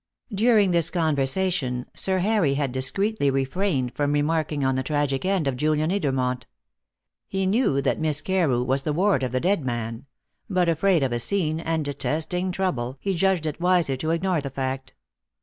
During this conversation Sir Harry had discreetly refrained from remarking on the tragic end of Julian Edermont. He knew that Miss Carew was the ward of the dead man; but, afraid of a scene, and detesting trouble, he judged it wiser to ignore the fact.